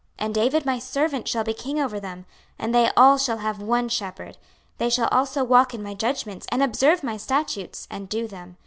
26:037:024 And David my servant shall be king over them; and they all shall have one shepherd: they shall also walk in my judgments, and observe my statutes, and do them.